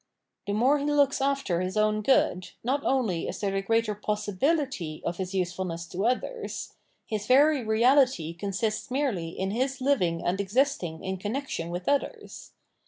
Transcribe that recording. The ipore he looks after his own good, not only is there the greater possibility of his use fulness to others : his very reality consists merely in his hving and existing in connection with others.